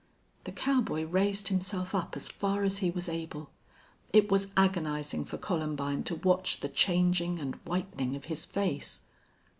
The cowboy raised himself up as far as he was able. It was agonizing for Columbine to watch the changing and whitening of his face!